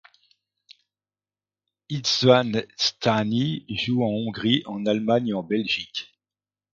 István Sztáni joue en Hongrie, en Allemagne et en Belgique.